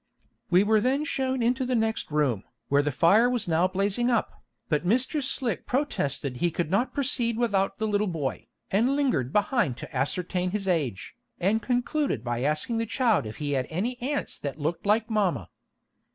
We were then shown into the next room, where the fire was now blazing up, but Mr. Slick protested he could not proceed without the little boy, and lingered behind to ascertain his age, and concluded by asking the child if he had any aunts that looked like mama.